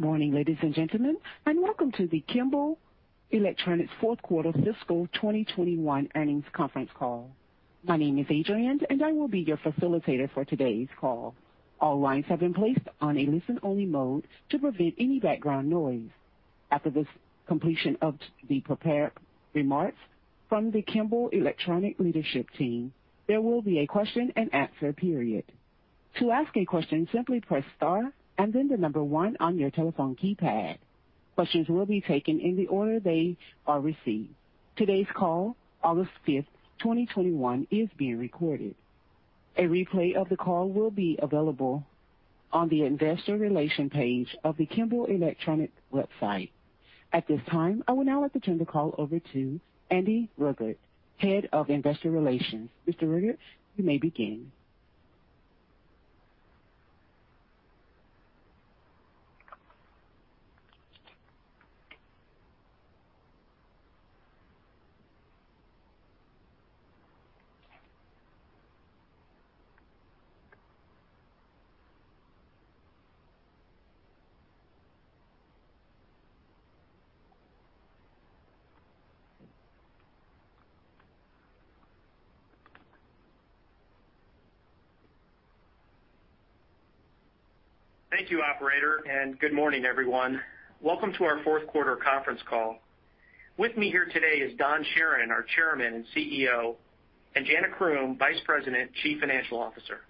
Good morning, ladies and gentlemen, and welcome to the Kimball Electronics fourth quarter fiscal 2021 earnings conference call. My name is Adrienne, and I will be your facilitator for today's call. All lines have been placed on a listen-only mode to prevent any background noise. After this completion of the prepared remarks from the Kimball Electronics leadership team, there will be a question and answer period. To ask a question, simply press star and then the number one on your telephone keypad. Questions will be taken in the order they are received. Today's call, August 5th, 2021, is being recorded. A replay of the call will be available on the investor relations page of the Kimball Electronics website. At this time, I would now like to turn the call over to Andy Regrut, Head of Investor Relations. Mr. Regrut, you may begin. Thank you, operator, and good morning, everyone. Welcome to our fourth quarter conference call. With me here today is Donald Charron, our Chairman and CEO, and Jana Croom, Vice President, Chief Financial Officer.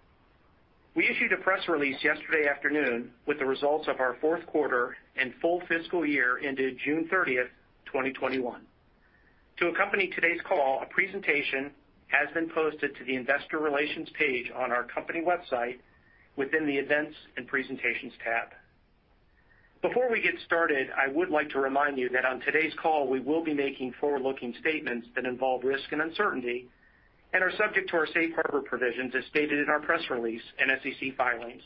We issued a press release yesterday afternoon with the results of our fourth quarter and full fiscal year into June 30th, 2021. To accompany today's call, a presentation has been posted to the investor relations page on our company website within the Events and Presentations tab. Before we get started, I would like to remind you that on today's call, we will be making forward-looking statements that involve risk and uncertainty and are subject to our safe harbor provisions as stated in our press release and SEC filings,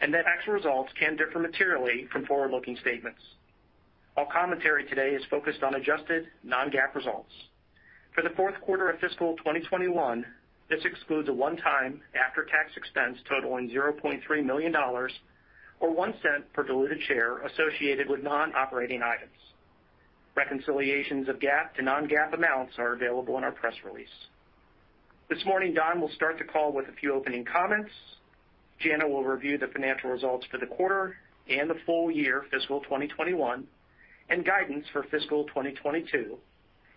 and that actual results can differ materially from forward-looking statements. All commentary today is focused on adjusted non-GAAP results. For the fourth quarter of fiscal 2021, this excludes a one-time after-tax expense totaling $0.3 million, or $0.01 per diluted share associated with non-operating items. Reconciliations of GAAP to non-GAAP amounts are available in our press release. This morning, Don will start the call with a few opening comments. Jana will review the financial results for the quarter and the full year fiscal 2021 and guidance for fiscal 2022,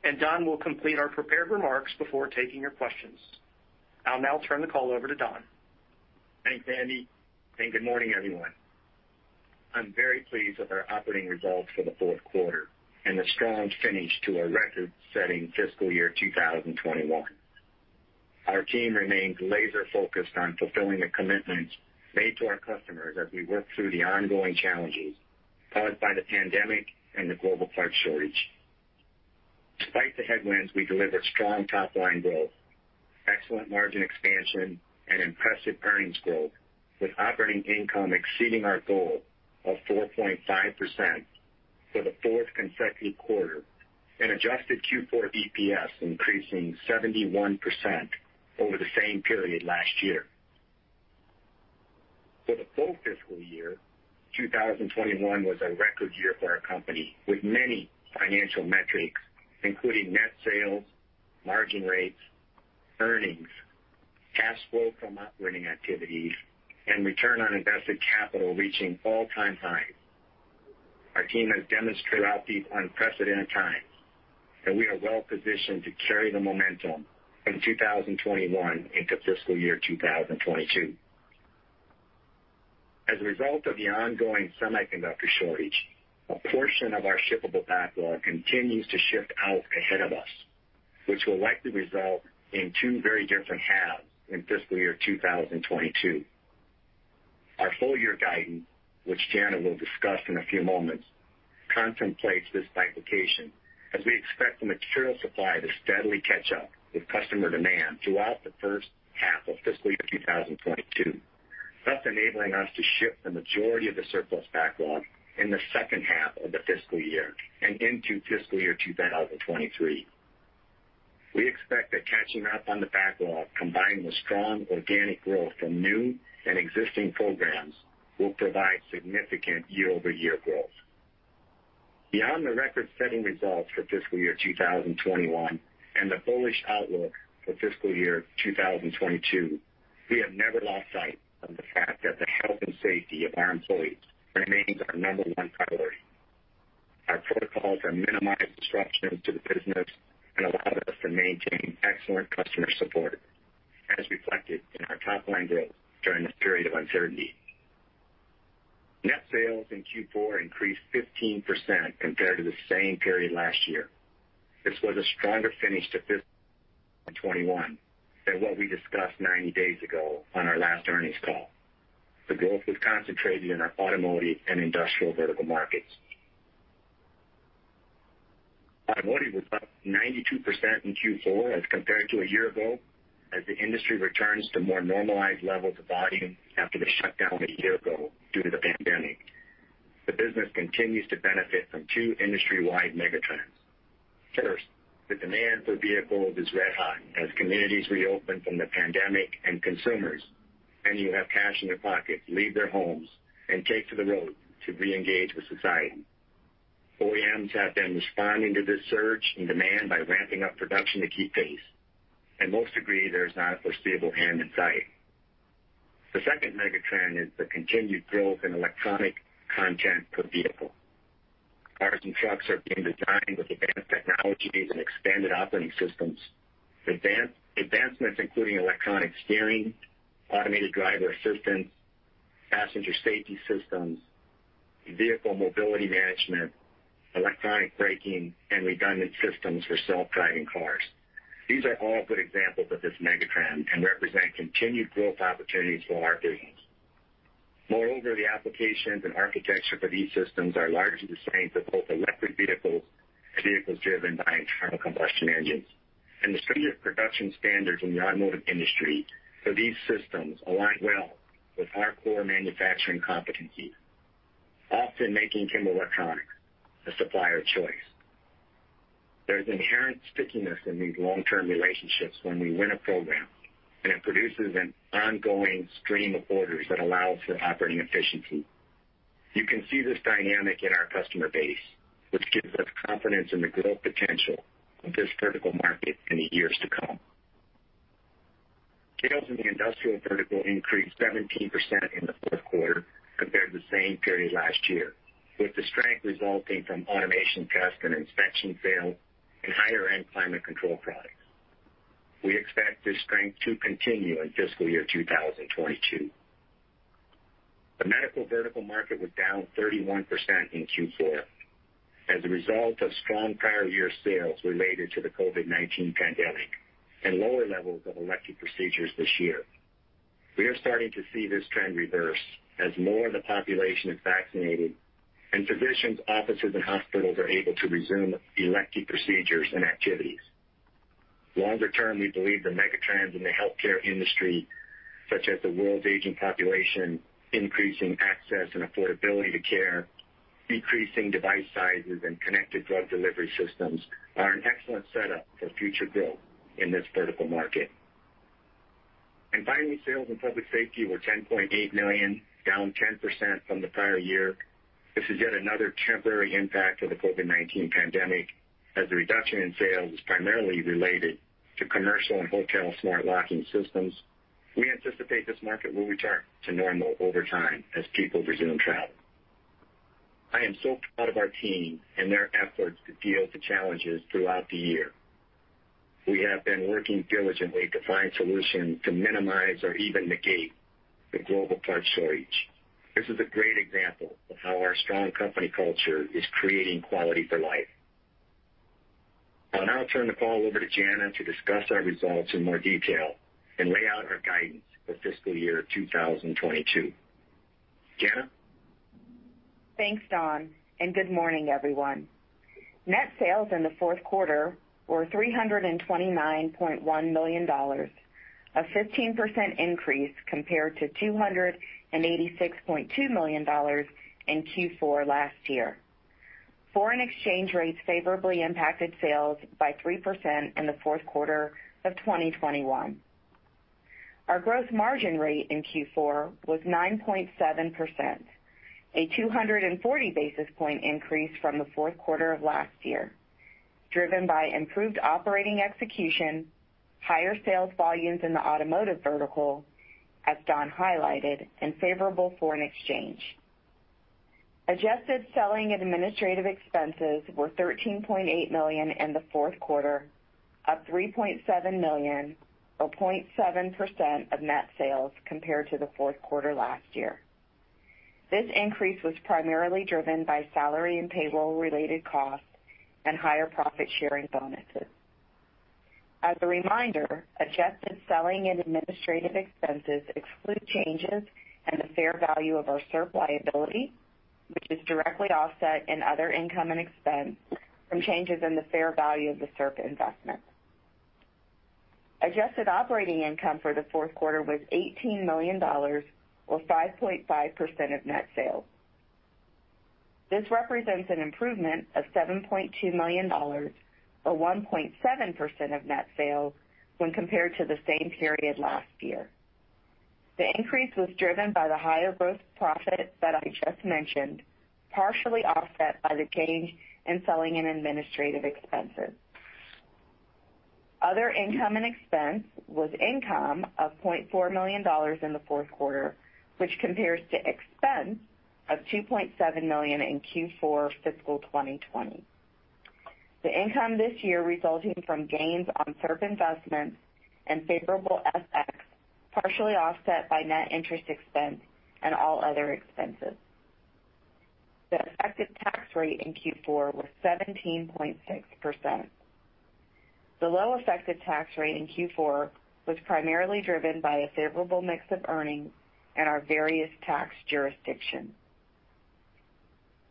and Don will complete our prepared remarks before taking your questions. I'll now turn the call over to Don. Thanks, Andy, and good morning, everyone. I'm very pleased with our operating results for the fourth quarter and the strong finish to our record-setting fiscal year 2021. Our team remains laser-focused on fulfilling the commitments made to our customers as we work through the ongoing challenges caused by the pandemic and the global parts shortage. Despite the headwinds, we delivered strong top-line growth, excellent margin expansion, and impressive earnings growth, with operating income exceeding our goal of 4.5% for the fourth consecutive quarter and adjusted Q4 EPS increasing 71% over the same period last year. For the full fiscal year, 2021 was a record year for our company, with many financial metrics, including net sales, margin rates, earnings, cash flow from operating activities, and return on invested capital reaching all-time highs. Our team has demonstrated throughout these unprecedented times that we are well-positioned to carry the momentum from 2021 into fiscal year 2022. As a result of the ongoing semiconductor shortage, a portion of our shippable backlog continues to shift out ahead of us, which will likely result in two very different halves in fiscal year 2022. Our full-year guidance, which Jana will discuss in a few moments, contemplates this bifurcation as we expect the material supply to steadily catch up with customer demand throughout the first half of fiscal year 2022, thus enabling us to ship the majority of the surplus backlog in the second half of the fiscal year and into fiscal year 2023. We expect that catching up on the backlog, combined with strong organic growth from new and existing programs, will provide significant year-over-year growth. Beyond the record-setting results for fiscal year 2021 and the bullish outlook for fiscal year 2022, we have never lost sight of the fact that the health and safety of our employees remains our number one priority. Our protocols have minimized disruption to the business and allowed us to maintain excellent customer support, as reflected in our top-line growth during this period of uncertainty. Net sales in Q4 increased 15% compared to the same period last year. This was a stronger finish to fiscal 2021 than what we discussed 90 days ago on our last earnings call. The growth was concentrated in our automotive and industrial vertical markets. Automotive was up 92% in Q4 as compared to a year ago as the industry returns to more normalized levels of volume after the shutdown a year ago due to the pandemic. The business continues to benefit from two industry-wide mega trends. First, the demand for vehicles is red hot as communities reopen from the pandemic and consumers, many who have cash in their pockets, leave their homes and take to the road to re-engage with society. OEMs have been responding to this surge in demand by ramping up production to keep pace, and most agree there is not a foreseeable end in sight. The second mega trend is the continued growth in electronic content per vehicle. Cars and trucks are being designed with advanced technologies and expanded operating systems, advancements including electronic steering, automated driver assistance, passenger safety systems, vehicle mobility management, electronic braking, and redundant systems for self-driving cars. These are all good examples of this mega trend and represent continued growth opportunities for our business. Moreover, the applications and architecture for these systems are largely the same for both electric vehicles and vehicles driven by internal combustion engines. The stringent production standards in the automotive industry for these systems align well with our core manufacturing competencies, often making Kimball Electronics the supplier of choice. There is inherent stickiness in these long-term relationships when we win a program, and it produces an ongoing stream of orders that allows for operating efficiency. You can see this dynamic in our customer base, which gives us confidence in the growth potential of this vertical market in the years to come. Sales in the industrial vertical increased 17% in the fourth quarter compared to the same period last year, with the strength resulting from automation test and inspection sales and higher-end climate control products. We expect this strength to continue in fiscal year 2022. The medical vertical market was down 31% in Q4 as a result of strong prior year sales related to the COVID-19 pandemic and lower levels of elective procedures this year. We are starting to see this trend reverse as more of the population is vaccinated and physicians, offices, and hospitals are able to resume elective procedures and activities. Longer term, we believe the mega trends in the healthcare industry, such as the world's aging population, increasing access and affordability to care, decreasing device sizes, and connected drug delivery systems are an excellent setup for future growth in this vertical market. Finally, sales in public safety were $10.8 million, down 10% from the prior year. This is yet another temporary impact of the COVID-19 pandemic, as the reduction in sales was primarily related to commercial and hotel smart locking systems. We anticipate this market will return to normal over time as people resume travel. I am so proud of our team and their efforts to deal with the challenges throughout the year. We have been working diligently to find solutions to minimize or even negate the global parts shortage. This is a great example of how our strong company culture is creating quality for life. I'll now turn the call over to Jana to discuss our results in more detail and lay out our guidance for fiscal year 2022. Jana? Thanks, Don. Good morning, everyone. Net sales in the fourth quarter were $329.1 million, a 15% increase compared to $286.2 million in Q4 last year. Foreign exchange rates favorably impacted sales by 3% in the fourth quarter of 2021. Our gross margin rate in Q4 was 9.7%, a 240 basis point increase from the fourth quarter of last year, driven by improved operating execution, higher sales volumes in the automotive vertical, as Don highlighted, and favorable foreign exchange. Adjusted selling and administrative expenses were $13.8 million in the fourth quarter, up $3.7 million or 0.7% of net sales compared to the fourth quarter last year. This increase was primarily driven by salary and payroll-related costs and higher profit-sharing bonuses. As a reminder, adjusted selling and administrative expenses exclude changes in the fair value of our SERP liability, which is directly offset in other income and expense from changes in the fair value of the SERP investment. Adjusted operating income for the fourth quarter was $18 million or 5.5% of net sales. This represents an improvement of $7.2 million or 1.7% of net sales when compared to the same period last year. The increase was driven by the higher gross profit that I just mentioned, partially offset by the change in selling and administrative expenses. Other income and expense was income of $0.4 million in the fourth quarter, which compares to expense of $2.7 million in Q4 fiscal 2020. The income this year resulting from gains on SERP investments and favorable FX, partially offset by net interest expense and all other expenses. The effective tax rate in Q4 was 17.6%. The low effective tax rate in Q4 was primarily driven by a favorable mix of earnings in our various tax jurisdictions.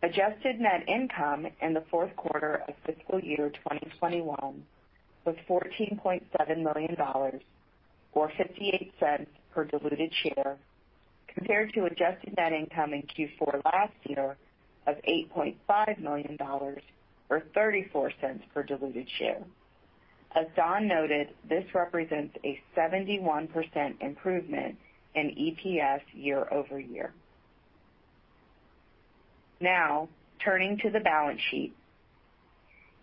Adjusted net income in the fourth quarter of fiscal year 2021 was $14.7 million or $0.58 per diluted share. Compared to adjusted net income in Q4 last year of $8.5 million, or $0.34 per diluted share. As Don noted, this represents a 71% improvement in EPS year-over-year. Turning to the balance sheet.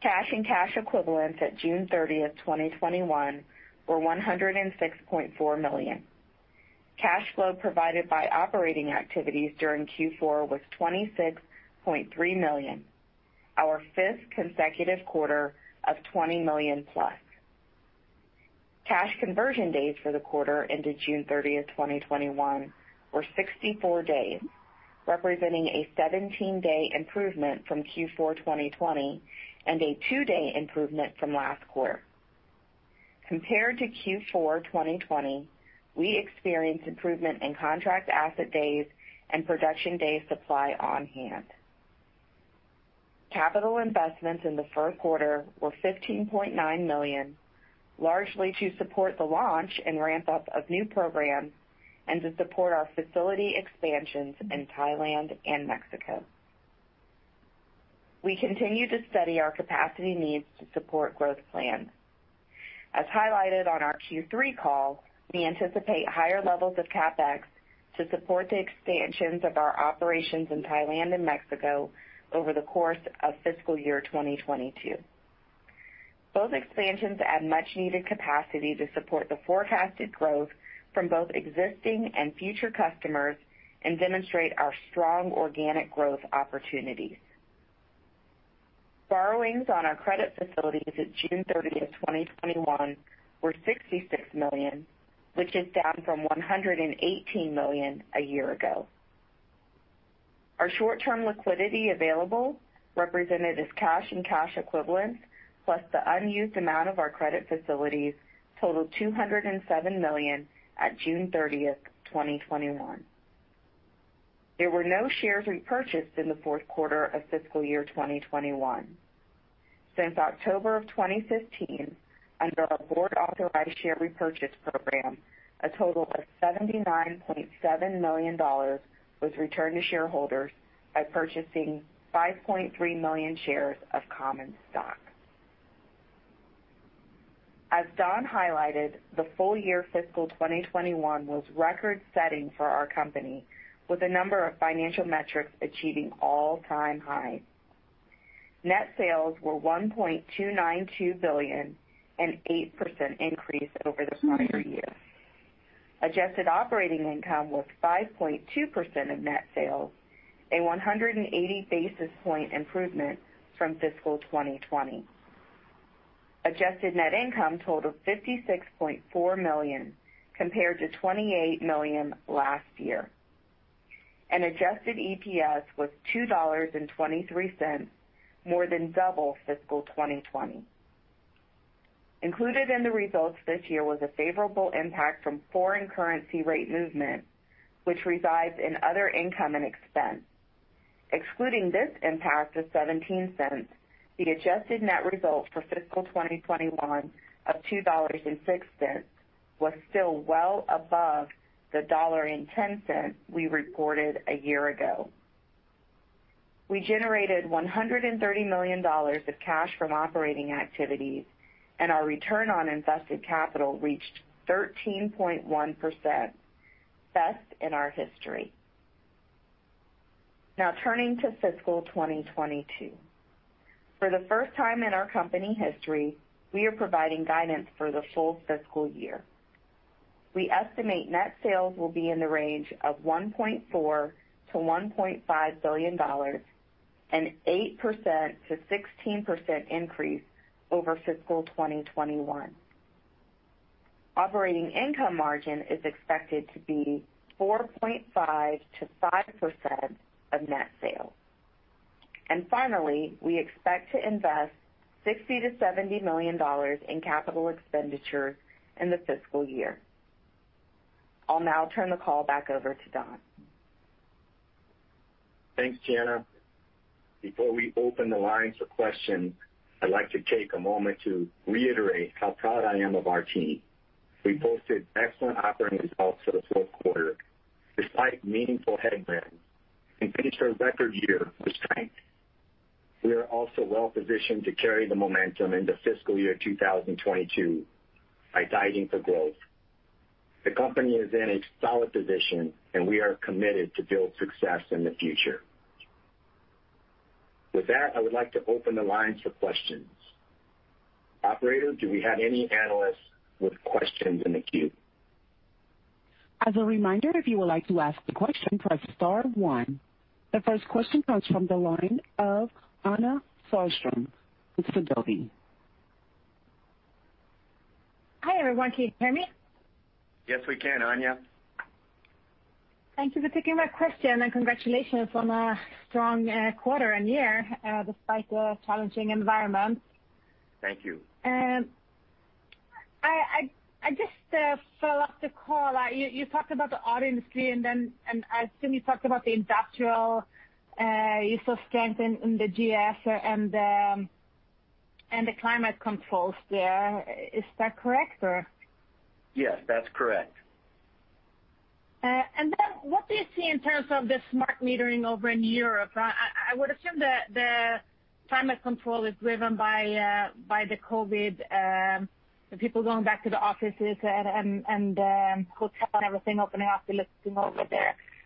Cash and cash equivalents at June 30th, 2021, were $106.4 million. Cash flow provided by operating activities during Q4 was $26.3 million, our fifth consecutive quarter of $20 million-plus. Cash conversion days for the quarter into June 30th, 2021, were 64 days, representing a 17-day improvement from Q4 2020 and a two-day improvement from last quarter. Compared to Q4 2020, we experienced improvement in contract asset days and production day supply on hand. Capital investments in the first quarter were $15.9 million, largely to support the launch and ramp-up of new programs and to support our facility expansions in Thailand and Mexico. We continue to study our capacity needs to support growth plans. As highlighted on our Q3 call, we anticipate higher levels of CapEx to support the expansions of our operations in Thailand and Mexico over the course of fiscal year 2022. Both expansions add much needed capacity to support the forecasted growth from both existing and future customers and demonstrate our strong organic growth opportunities. Borrowings on our credit facilities at June 30th, 2021, were $66 million, which is down from $118 million a year ago. Our short-term liquidity available, represented as cash and cash equivalents, plus the unused amount of our credit facilities totaled $207 million at June 30th, 2021. There were no shares repurchased in the fourth quarter of fiscal year 2021. Since October of 2015, under our board-authorized share repurchase program, a total of $79.7 million was returned to shareholders by purchasing 5.3 million shares of common stock. As Don highlighted, the full year fiscal 2021 was record-setting for our company, with a number of financial metrics achieving all-time highs. Net sales were $1.292 billion, an 8% increase over the prior year. Adjusted operating income was 5.2% of net sales, a 180 basis point improvement from fiscal 2020. Adjusted net income totaled $56.4 million, compared to $28 million last year. Adjusted EPS was $2.23, more than double fiscal 2020. Included in the results this year was a favorable impact from foreign currency rate movement, which resides in other income and expense. Excluding this impact of $0.17, the adjusted net result for fiscal 2021 of $2.06 was still well above the $1.10 we reported a year ago. We generated $130 million of cash from operating activities, and our return on invested capital reached 13.1%, best in our history. Now turning to fiscal 2022. For the first time in our company history, we are providing guidance for the full fiscal year. We estimate net sales will be in the range of $1.4 billion-$1.5 billion, an 8%-16% increase over fiscal 2021. Operating income margin is expected to be 4.5%-5% of net sales. Finally, we expect to invest $60 million-$70 million in capital expenditures in the fiscal year. I'll now turn the call back over to Don. Thanks, Jana. Before we open the lines for questions, I'd like to take a moment to reiterate how proud I am of our team. We posted excellent operating results for the fourth quarter. Despite meaningful headwinds, we finished our record year with strength. We are also well-positioned to carry the momentum into fiscal year 2022 by guiding for growth. The company is in a solid position, and we are committed to build success in the future. With that, I would like to open the lines for questions. Operator, do we have any analysts with questions in the queue? As a reminder, if you would like to ask a question, press star one. The first question comes from the line of Anja Soderstrom with Sidoti & Company. Hi, everyone. Can you hear me? Yes, we can, Anja. Thank you for taking my question, and congratulations on a strong quarter and year, despite the challenging environment. Thank you. I just follow up the call. You talked about the auto industry, and I assume you talked about the industrial use of strength in the GS and the climate controls there. Is that correct? Yes, that's correct. What do you see in terms of the smart metering over in Europe? I would assume that the climate control is driven by the COVID, the people going back to the offices and hotels and everything opening up, at least in over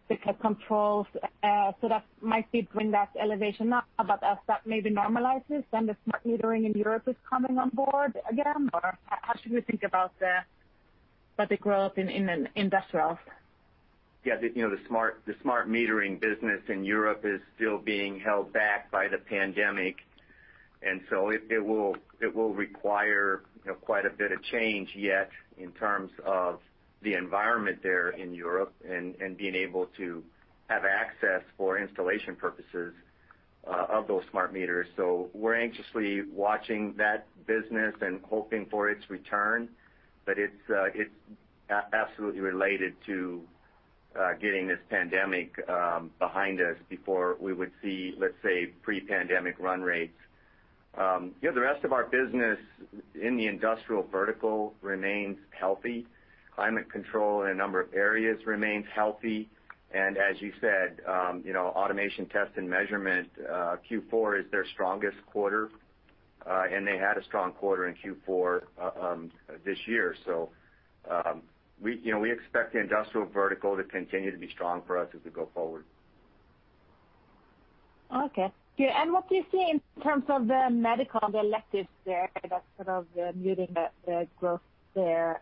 there. The controls, so that might bring that elevation up. As that maybe normalizes, then the smart metering in Europe is coming on board again? How should we think about the growth in industrials? Yeah. The smart metering business in Europe is still being held back by the pandemic, and so it will require quite a bit of change yet in terms of the environment there in Europe and being able to have access for installation purposes of those smart meters. We're anxiously watching that business and hoping for its return. It's absolutely related to getting this pandemic behind us before we would see, let's say, pre-pandemic run rates. The rest of our business in the industrial vertical remains healthy. Climate control in a number of areas remains healthy. As you said, automation, test, and measurement, Q4 is their strongest quarter, and they had a strong quarter in Q4 this year. We expect the industrial vertical to continue to be strong for us as we go forward. Okay. What do you see in terms of the medical, the electives there, that's sort of muting the growth there.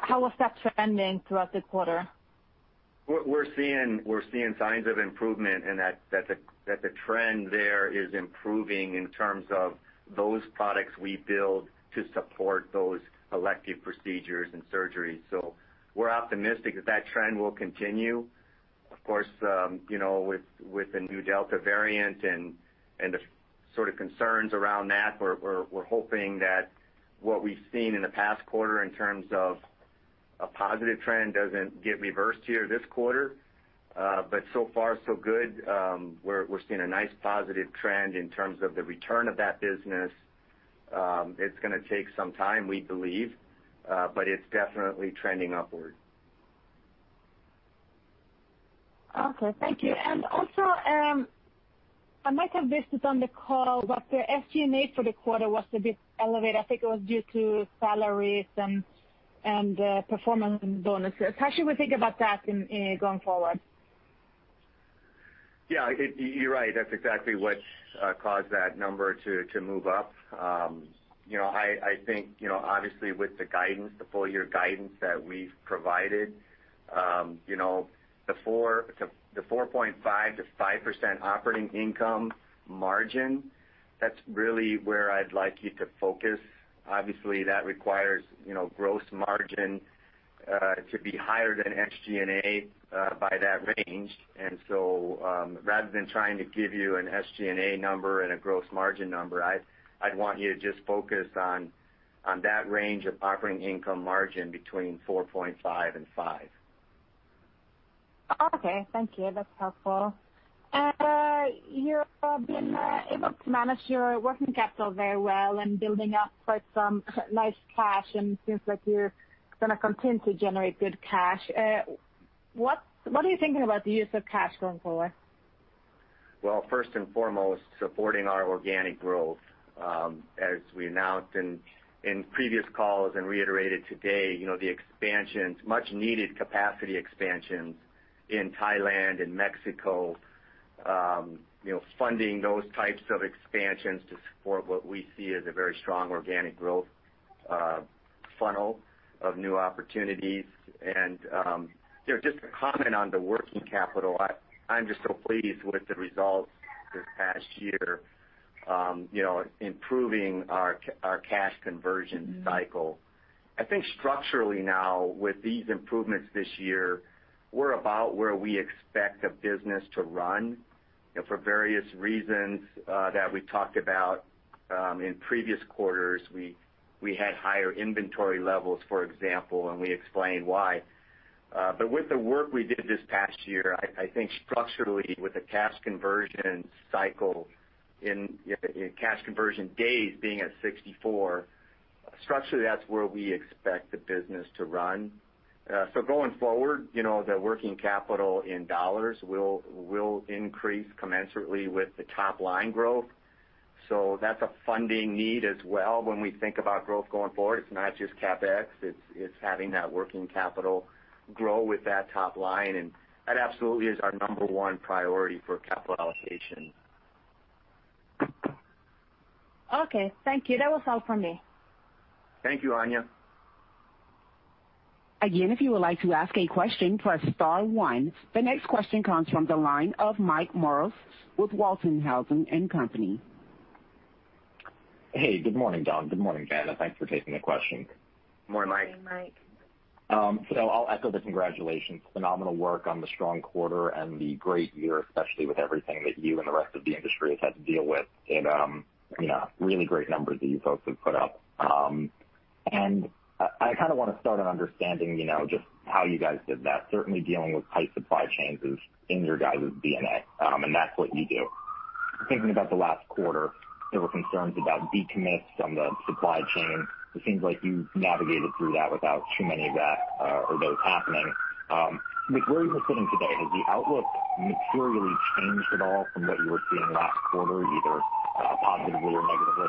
How was that trending throughout the quarter? We're seeing signs of improvement, and that the trend there is improving in terms of those products we build to support those elective procedures and surgeries. We're optimistic that that trend will continue. Of course, with the new Delta variant and the sort of concerns around that, we're hoping that what we've seen in the past quarter in terms of a positive trend doesn't get reversed here this quarter. So far, so good. We're seeing a nice positive trend in terms of the return of that business. It's going to take some time, we believe, but it's definitely trending upward. Okay, thank you. Also, I might have missed it on the call, the SG&A for the quarter was a bit elevated. I think it was due to salaries and performance bonuses. How should we think about that going forward? Yeah, you're right. That's exactly what caused that number to move up. I think, obviously, with the full year guidance that we've provided, the 4.5% to 5% operating income margin, that's really where I'd like you to focus. Obviously, that requires gross margin to be higher than SG&A by that range. Rather than trying to give you an SG&A number and a gross margin number, I'd want you to just focus on that range of operating income margin between 4.5% and 5%. Okay, thank you. That's helpful. You've been able to manage your working capital very well and building up quite some nice cash, and it seems like you're going to continue to generate good cash. What are you thinking about the use of cash going forward? Well, first and foremost, supporting our organic growth. As we announced in previous calls and reiterated today, the much needed capacity expansions in Thailand and Mexico. Funding those types of expansions to support what we see as a very strong organic growth funnel of new opportunities. Just to comment on the working capital, I'm just so pleased with the results this past year, improving our cash conversion cycle. I think structurally now with these improvements this year, we're about where we expect the business to run. For various reasons that we talked about in previous quarters, we had higher inventory levels, for example, and we explained why. With the work we did this past year, I think structurally, with the cash conversion cycle in cash conversion days being at 64, structurally, that's where we expect the business to run. Going forward, the working capital in USD will increase commensurately with the top-line growth. That's a funding need as well when we think about growth going forward. It's not just CapEx, it's having that working capital grow with that top line, and that absolutely is our number one priority for capital allocation. Okay, thank you. That was all from me. Thank you, Anja. Again, if you would like to ask a question, press star one. The next question comes from the line of Mike Crawford with B. Riley Securities. Hey, good morning, Don. Good morning, Jana. Thanks for taking the question. Good morning, Mike. Morning, Mike. I'll echo the congratulations. Phenomenal work on the strong quarter and the great year, especially with everything that you and the rest of the industry has had to deal with, and really great numbers that you folks have put up. I want to start on understanding just how you guys did that. Certainly dealing with tight supply chains is in your guys' DNA, and that's what you do. Thinking about the last quarter, there were concerns about decommits on the supply chain. It seems like you've navigated through that without too many of that or those happening. With where you're sitting today, has the outlook materially changed at all from what you were seeing last quarter, either positively or negatively?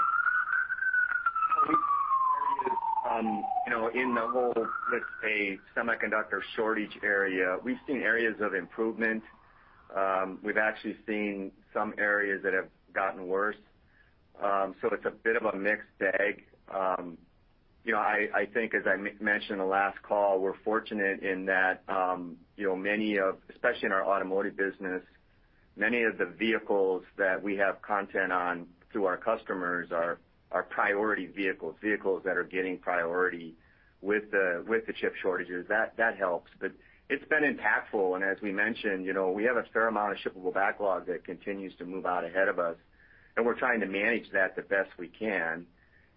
In the whole, let's say, semiconductor shortage area, we've seen areas of improvement. We've actually seen some areas that have gotten worse. It's a bit of a mixed bag. I think as I mentioned the last call, we're fortunate in that, especially in our automotive business, many of the vehicles that we have content on through our customers are priority vehicles that are getting priority with the chip shortages. That helps. It's been impactful, and as we mentioned, we have a fair amount of shippable backlog that continues to move out ahead of us, and we're trying to manage that the best we can.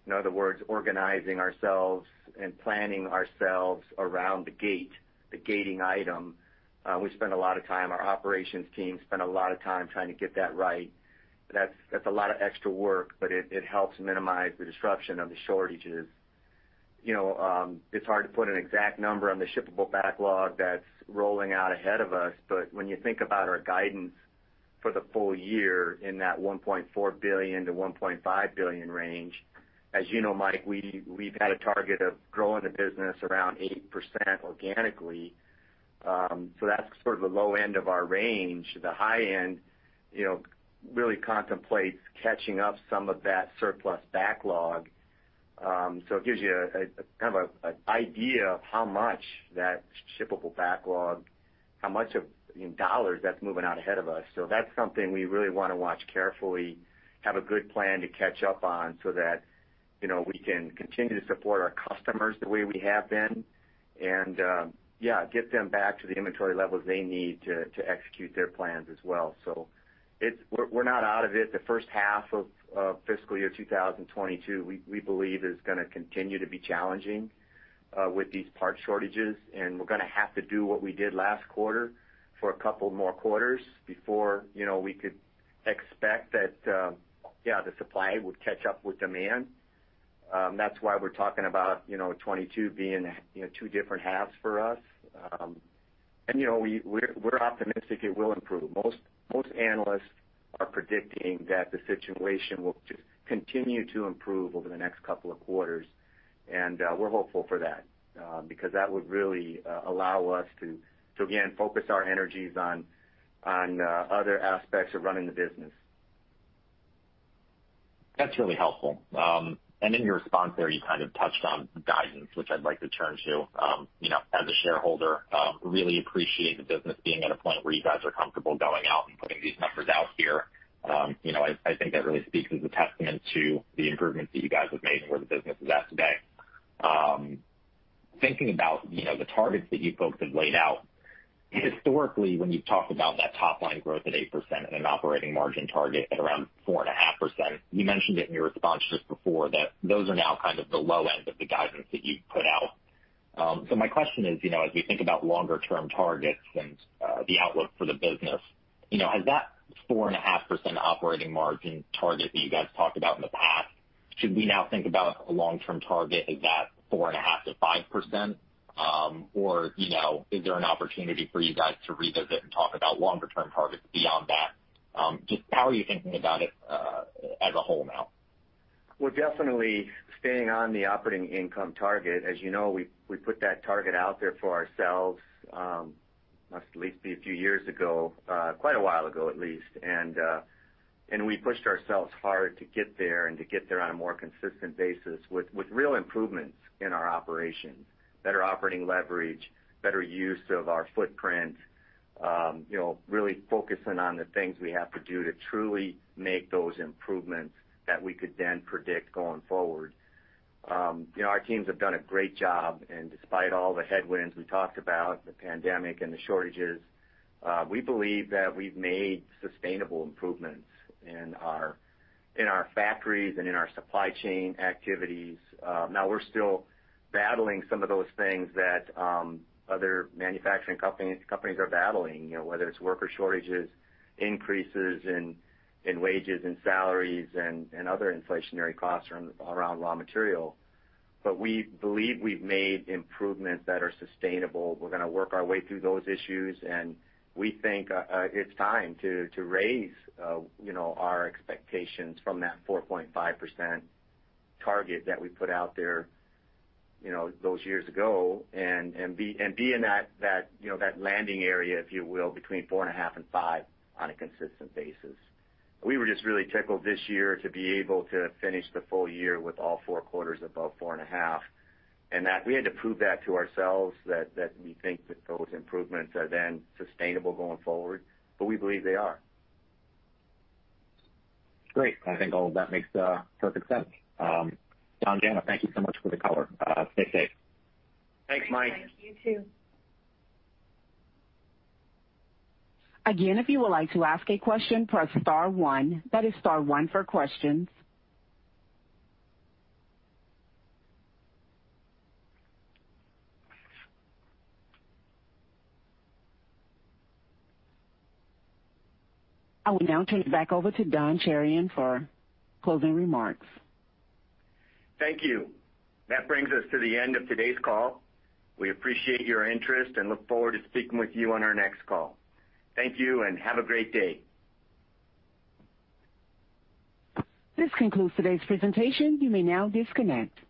In other words, organizing ourselves and planning ourselves around the gate, the gating item. We spend a lot of time, our operations team spend a lot of time trying to get that right. That's a lot of extra work, but it helps minimize the disruption of the shortages. It's hard to put an exact number on the shippable backlog that's rolling out ahead of us, but when you think about our guidance for the full year in that $1.4 billion-$1.5 billion range, as you know, Mike, we've had a target of growing the business around 8% organically. That's sort of the low end of our range. The high end really contemplates catching up some of that surplus backlog. It gives you a kind of an idea of how much that shippable backlog, how much of, in dollars, that's moving out ahead of us. That's something we really want to watch carefully, have a good plan to catch up on so that we can continue to support our customers the way we have been and, yeah, get them back to the inventory levels they need to execute their plans as well. We're not out of it. The first half of fiscal year 2022, we believe is going to continue to be challenging with these part shortages, and we're going to have to do what we did last quarter for a couple more quarters before we could expect that, yeah, the supply would catch up with demand. That's why we're talking about 2022 being two different halves for us. We're optimistic it will improve. Most analysts are predicting that the situation will continue to improve over the next couple of quarters, and we're hopeful for that, because that would really allow us to, again, focus our energies on other aspects of running the business. That's really helpful. In your response there, you kind of touched on guidance, which I'd like to turn to. As a shareholder, really appreciate the business being at a point where you guys are comfortable going out and putting these numbers out here. I think that really speaks as a testament to the improvements that you guys have made and where the business is at today. Thinking about the targets that you folks have laid out, historically, when you've talked about that top line growth at 8% and an operating margin target at around 4.5%, you mentioned it in your response just before that those are now kind of the low end of the guidance that you've put out. My question is, as we think about longer term targets and the outlook for the business, has that 4.5% operating margin target that you guys talked about in the past, should we now think about a long-term target as that 4.5%-5%? Or is there an opportunity for you guys to revisit and talk about longer term targets beyond that? Just how are you thinking about it as a whole now? We're definitely staying on the operating income target. As you know, we put that target out there for ourselves, must at least be a few years ago, quite a while ago, at least. We pushed ourselves hard to get there and to get there on a more consistent basis with real improvements in our operations, better operating leverage, better use of our footprint. Really focusing on the things we have to do to truly make those improvements that we could then predict going forward. Our teams have done a great job, and despite all the headwinds we talked about, the pandemic and the shortages, we believe that we've made sustainable improvements in our factories and in our supply chain activities. We're still battling some of those things that other manufacturing companies are battling. Whether it's worker shortages, increases in wages and salaries and other inflationary costs around raw material. We believe we've made improvements that are sustainable. We're going to work our way through those issues, and we think it's time to raise our expectations from that 4.5% target that we put out there those years ago and be in that landing area, if you will, between 4.5 and five on a consistent basis. We were just really tickled this year to be able to finish the full year with all four quarters above 4.5. That we had to prove that to ourselves that we think that those improvements are then sustainable going forward, but we believe they are. Great. I think all of that makes perfect sense. Donald Charron, thank you so much for the color. Stay safe. Thanks, Mike. Thank you. You too. Again, if you would like to ask a question, press star one. That is star one for questions. I will now turn it back over to Donald Charron for closing remarks. Thank you. That brings us to the end of today's call. We appreciate your interest and look forward to speaking with you on our next call. Thank you and have a great day. This concludes today's presentation. You may now disconnect.